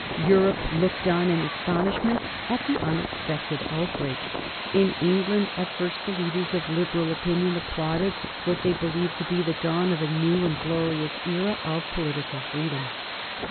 Europe looked on in astonishment at the unexpected outbreak. In England at first the leaders of liberal opinion applauded what they believed to be the dawn of a new and glorious era of political freedom.